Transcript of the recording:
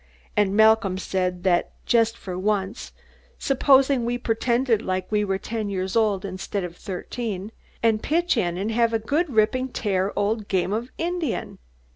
And Malcolm said that, just for once, supposing we'd pretend like we were ten years old, instead of thirteen, and pitch in and have a good ripping, tearing old game of Indian.